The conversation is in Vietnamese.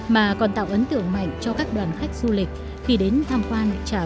mà còn tạo ấn tượng mạnh cho các nông hộ trồng dừa